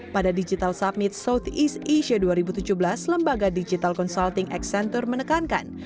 pada digital submit southeast asia dua ribu tujuh belas lembaga digital consulting accenter menekankan